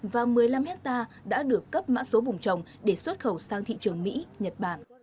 và một mươi năm hectare đã được cấp mã số vùng trồng để xuất khẩu sang thị trường mỹ nhật bản